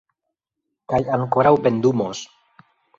Kaj ankoraŭ pendumos.